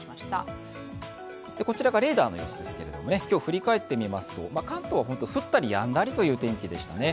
こちらがレーダーの様子ですけれども、今日振り返ってみますと関東は降ったりやんだりという天気でしたね。